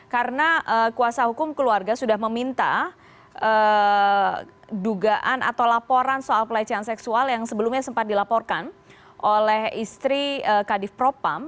karena kuasa hukum keluarga sudah meminta dugaan atau laporan soal pelecehan seksual yang sebelumnya sempat dilaporkan oleh istri kadif propam